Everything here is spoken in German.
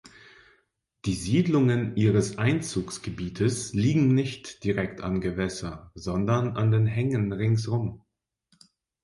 Die Siedlungen ihres Einzugsgebietes liegen nicht direkt am Gewässer, sondern an den Hängen ringsum.